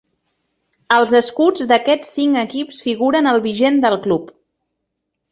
Els escuts d'aquests cinc equips figuren al vigent del club.